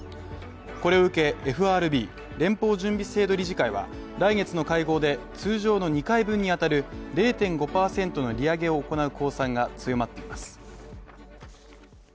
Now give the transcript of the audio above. これを受けＦＲＢ＝連邦準備制度理事会は来月の会合で、通常の２回分に当たる０．５％の利上げを行う公算が強まっています。